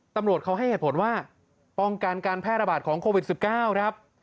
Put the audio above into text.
ตำรวจเขาให้เหตุผลว่าป้องกันการแพร่ระบาดของโควิด๑๙ครับ